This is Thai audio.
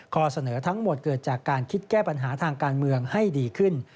ข้อเสนอทั้งหมดเกิดจากการคิดแก้ปัญหาทางการเมืองให้ดีขึ้น